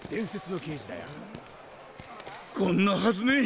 こんなはずねえ！